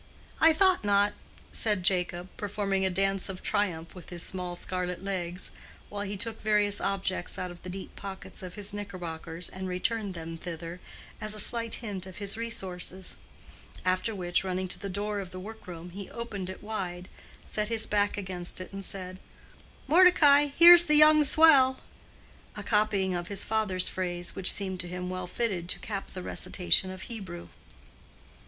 "I thought not," said Jacob, performing a dance of triumph with his small scarlet legs, while he took various objects out of the deep pockets of his knickerbockers and returned them thither, as a slight hint of his resources; after which, running to the door of the workroom, he opened it wide, set his back against it, and said, "Mordecai, here's the young swell"—a copying of his father's phrase, which seemed to him well fitted to cap the recitation of Hebrew.